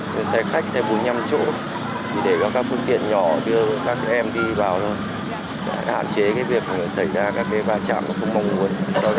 xe khách xe bú nhâm trộn để các phương tiện nhỏ đưa các em đi vào hạn chế việc xảy ra các bê ba chạm không mong muốn